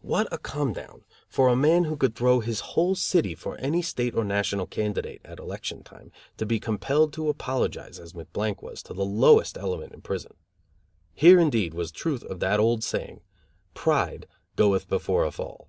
What a come down for a man who could throw his whole city for any state or national candidate at election time, to be compelled to apologize as McBlank was, to the lowest element in prison. Here indeed was the truth of that old saying: pride goeth before a fall.